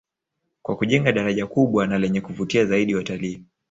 Kwa kujenga daraja kubwa na lenye kuvutia zaidi watalii